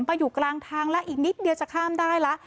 ไปอยู่กลางทางแล้วอีกนิดเดียวจะข้ามได้แล้ว